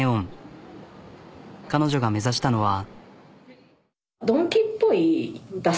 彼女が目指したのは。